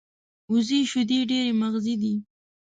وزې شیدې ډېرې مغذي دي